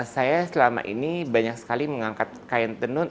saya selama ini banyak sekali mengangkat kain tenun